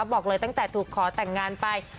บอกเลยตั้งแต่ถูกขอแต่งงานไป